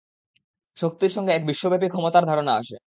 শক্তির সঙ্গে এক বিশ্বব্যাপী ক্ষমতার ধারণা আসে।